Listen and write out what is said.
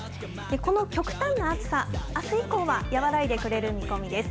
この極端な暑さ、あす以降は和らいでくれる見込みです。